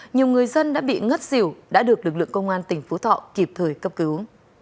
nhiều người dân đã bị ngất xỉu đã được lực lượng công an tỉnh phú thọ kịp thời cấp cứu